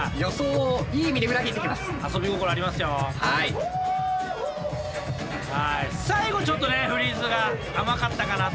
はい最後ちょっとねフリーズが甘かったかなと。